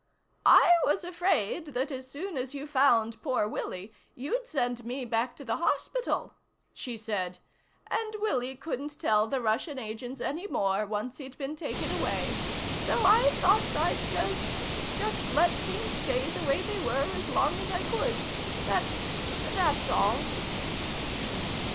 "I was afraid that as soon as you found poor Willie you'd send me back to the hospital," she said. "And Willie couldn't tell the Russian agents any more once he'd been taken away. So I thought I'd just just let things stay the way they were as long as I could. That's that's all."